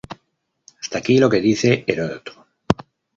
Hasta aquí lo que dice Heródoto.